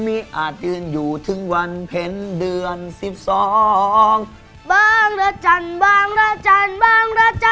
มีอาจยืนอยู่ถึงวันเพ็ญเดือน๑๒บางระจันทร์บางระจันทร์บางระจันทร์